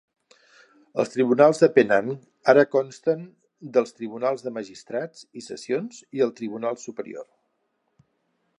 Els tribunals de Penang ara consten del tribunals de magistrats i sessions i el tribunal superior.